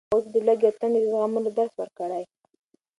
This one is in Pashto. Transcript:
هغوی ته د لوږې او تندې د زغملو درس ورکړئ.